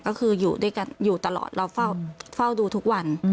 ก็คืออยู่ด้วยกันอยู่ตลอดเราเฝ้าดูทุกวัน